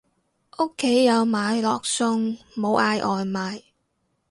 屋企有買落餸，冇嗌外賣